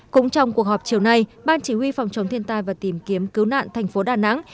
cũng trong cuộc họp chiều nay ban chỉ huy phòng chống thiên tai và tìm kiếm cứu nạn thành phố đà nẵng